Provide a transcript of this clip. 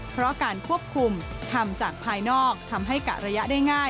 เพราะการควบคุมทำจากภายนอกทำให้กะระยะได้ง่าย